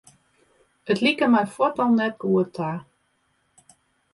It like my fuort al net goed ta.